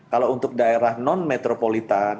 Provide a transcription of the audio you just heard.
kalau untuk daerah non metropolitan